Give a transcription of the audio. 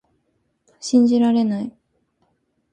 信じられない